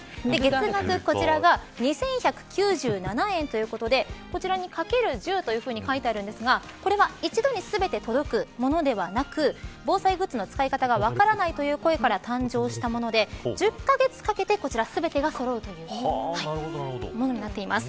こちらが２１９７円ということでこちらに、かける１０と書いてあるんですがこれは一度に全て届くものではなく防災グッズの使い方が分からないという声から誕生したもので１０カ月かけてこちら全てがそろうというものになっています。